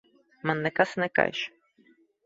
Man nekas nekaiš.